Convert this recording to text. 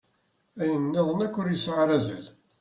Ayen nniḍen akk ur yesɛi ara azal.